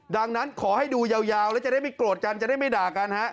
ดังนั้นขอให้ดูยาวแล้วจะได้ไม่โกรธกันจะได้ไม่ด่ากันฮะ